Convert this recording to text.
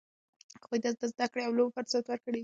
هغوی ته د زده کړې او لوبو فرصت ورکړئ.